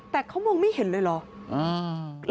แต่เขามองไม่เห็นเลยเหรอ